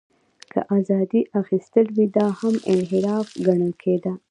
که ازادۍ اخیستل شوې وې، دا هم انحراف ګڼل کېده.